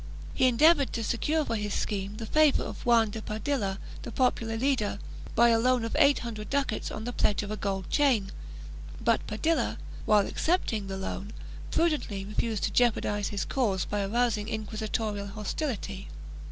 He endeavored to secure for his scheme the favor of Juan de Padilla, the popular leader, by a loan of eight hundred ducats on the pledge of a gold chain, but Padilla, while accepting the loan, prudently refused to jeopardize his cause by arousing inquisitorial hostility.